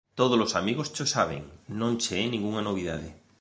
Todos os amigos cho saben, non che é ningunha novidade.